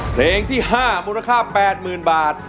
เพลงที่๕มูลค่า๘๐๐๐บาท